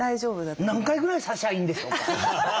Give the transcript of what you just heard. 何回ぐらい刺しゃあいいんでしょうか？